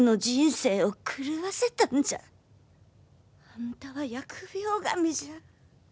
あんたは疫病神じゃ。